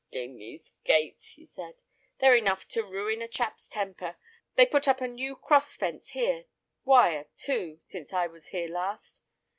"D—n these gates," he said; "they're enough to ruin a chap's temper. They put up a new cross fence here—wire, too—since I was here last.